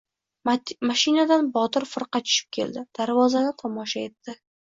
Mashinadan Botir firqa tushib keldi. Darvozani tomosha etdi.